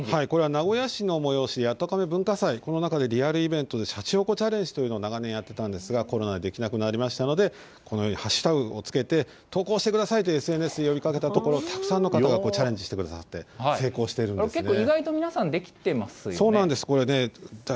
これは名古屋市の催し、やっとかれ文化祭、リアルイベントでしゃちほこチャレンジというのを長年やっていたんですが、コロナでできなくなりましたので、このように＃をつけて、投稿してくださいとＳＮＳで呼びかけたところ、たくさんの方がチャレンジしてくださって、成功しているんですね。